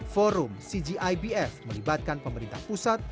forum cgibf melibatkan pemerintah pusat